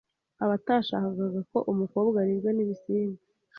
Abatashakaga ko umukobwa aribwa n’ibisimba